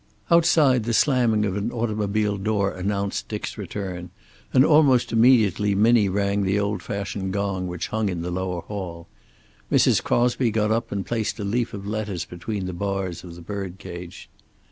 Outside the slamming of an automobile door announced Dick's return, and almost immediately Minnie rang the old fashioned gong which hung in the lower hall. Mrs. Crosby got up and placed a leaf of lettuce between the bars of the bird cage.